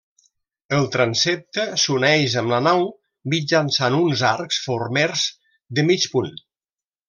El transsepte s'uneix amb la nau mitjançant uns arcs formers de mig punt.